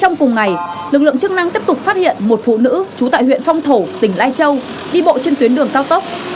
trong cùng ngày lực lượng chức năng tiếp tục phát hiện một phụ nữ trú tại huyện phong thổ tỉnh lai châu đi bộ trên tuyến đường cao tốc